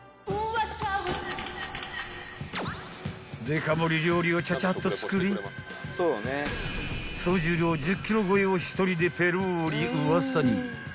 ［デカ盛り料理をちゃちゃっと作り総重量１０ｋｇ超えを１人でペローリウワサに］